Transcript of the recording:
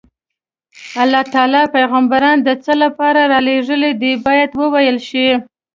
الله تعالی پیغمبران د څه لپاره رالېږلي دي باید وویل شي.